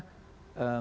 oh itu tidak saya